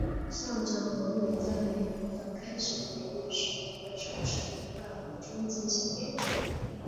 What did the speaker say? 校长何伟在每年的开学典礼时会手持一块红砖进行演讲。